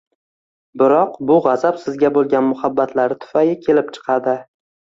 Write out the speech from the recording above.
Biroq bu g‘azab sizga bo‘lgan muhabbatlari tufayi kelib chiqadi.